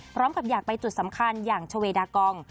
พร้อมกับอยากไปจุดสำคัญอย่างชเวดากอง